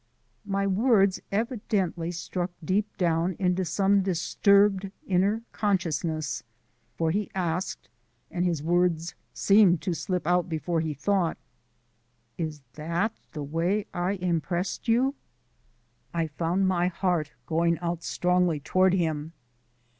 My words evidently struck deep down into some disturbed inner consciousness, for he asked and his words seemed to slip out before he thought: "Is THAT the way I impressed you?" I found my heart going out strongly toward him.